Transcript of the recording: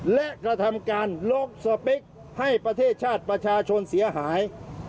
และกระทำการลบสเปคให้ประเทศชาติประชาชนเสียหาย